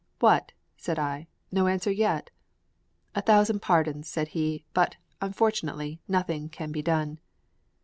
"What!" said I, "no answer yet?" "A thousand pardons," said he; "but, unfortunately, nothing can be done."